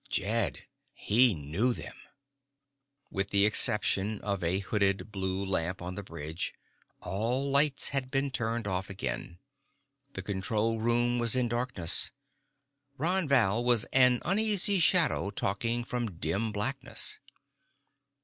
Jed, he knew them." With the exception of a hooded blue lamp on the bridge, all lights had been turned off again. The control room was in darkness. Ron Val was an uneasy shadow talking from dim blackness.